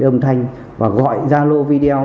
âm thanh và gọi ra lô video